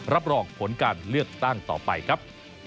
รับรองผลการเลือกตั้งต่อไปครับ